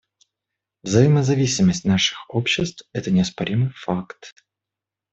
Взаимозависимость наших обществ — это неоспоримый факт.